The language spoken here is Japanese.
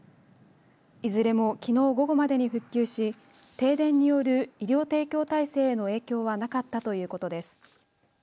いずれもきのう午後までに復旧し停電による医療提供体制への影響はなかったということです。